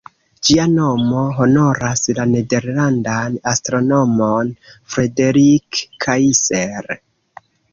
Ĝia nomo honoras la nederlandan astronomon Frederik Kaiser.